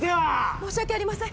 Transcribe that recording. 申し訳ありません。